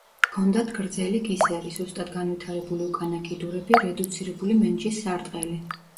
ჰქონდათ გრძელი კისერი, სუსტად განვითარებული უკანა კიდურები, რედუცირებული მენჯის სარტყელი.